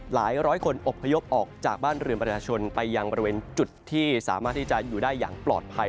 ร้อยคนอบพยพออกจากบ้านเรือนประชาชนไปยังบริเวณจุดที่สามารถที่จะอยู่ได้อย่างปลอดภัย